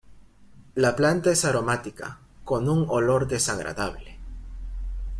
La planta es aromática, con un olor desagradable.